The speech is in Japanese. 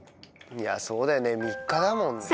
そうだよね３日だもんね。